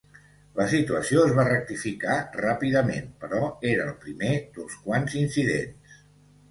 La situació es va rectificar ràpidament, però era el primer d'uns quants incidents.